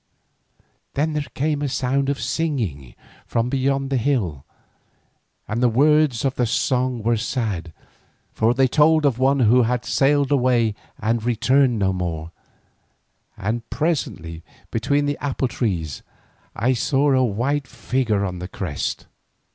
Then there came a sound of singing from beyond the hill, and the words of the song were sad, for they told of one who had sailed away and returned no more, and presently between the apple trees I saw a white figure on its crest.